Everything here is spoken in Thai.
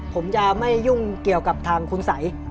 ผมจะไม่ยุ่งเกี่ยวกับทางคุณสัย